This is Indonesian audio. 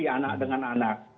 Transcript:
anak dengan anak